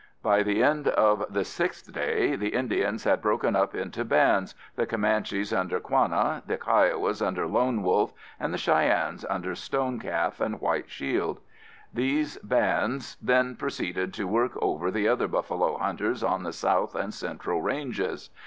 By the end of the sixth day, the Indians had broken up into bands, the Comanches under Quanah, the Kiowas under Lone Wolf, and the Cheyennes under Stone Calf and White Shield. These bands then proceeded to work over the other buffalo hunters on the south and central ranges.